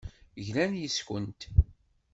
Glan yes-kent.